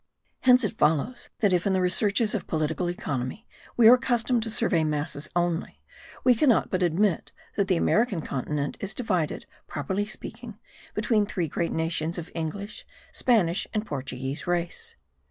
Hence it follows that if in the researches of political economy we are accustomed to survey masses only, we cannot but admit that the American continent is divided, properly speaking, between three great nations of English, Spanish, and Portuguese race.